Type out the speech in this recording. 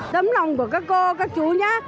tấm lòng của các cô các chú nhé